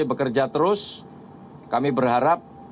bekerja terus kami berharap